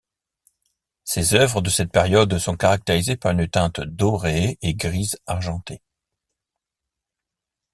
Ses œuvres de cette période sont caractérisés par une teinte dorée et grise argentée.